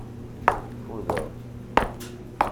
Fudeɣ.